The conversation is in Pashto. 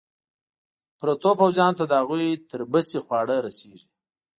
پرتو پوځیانو ته د هغوی تر بسې خواړه رسېږي.